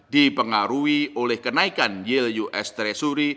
dipengaruhi oleh kenaikan yield us treasury